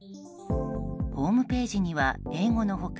ホームページには英語の他